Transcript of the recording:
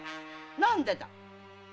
何でだ？